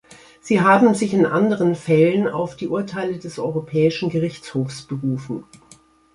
Sie haben sich in anderen Fällen auf die Urteile des Europäischen Gerichtshofs berufen.